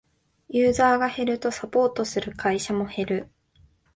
ユーザーが減るとサポートする会社も減る